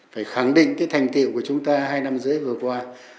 phải khẳng định thành tiêu của chúng ta hai năm rưỡi vừa qua